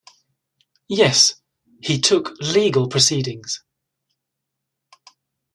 Yes, he took legal proceedings.